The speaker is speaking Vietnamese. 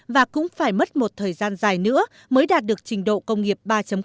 và cũng phải mất một thời gian dài nữa mới đạt được trình độ công nghiệp ba